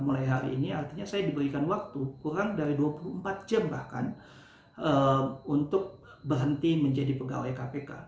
mulai hari ini artinya saya diberikan waktu kurang dari dua puluh empat jam bahkan untuk berhenti menjadi pegawai kpk